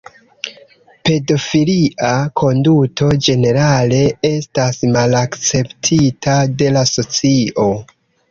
Pedofilia konduto ĝenerale estas malakceptita de la socio.